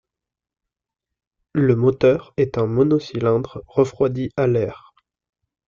Le moteur est un mono-cylindre refroidi à l'air.